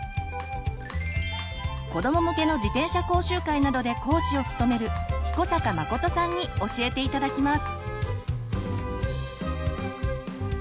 子ども向けの自転車講習会などで講師を務める彦坂誠さんに教えて頂きます。